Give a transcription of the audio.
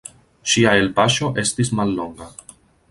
Ŝia elpaŝo estis mallonga.